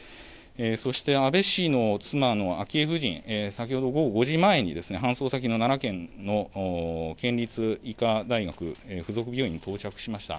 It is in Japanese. そして安倍氏の妻の昭恵夫人、先ほど午後５時前に、搬送先の奈良県の県立医科大学附属病院に到着しました。